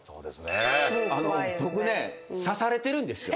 あの僕ね刺されてるんですよ